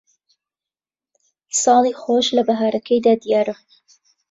ساڵی خۆش لە بەھارەکەیدا دیارە